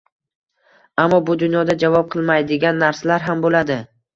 Ammo bu dunyoda javob qilinmaydigan narsalar ham bo’ladi.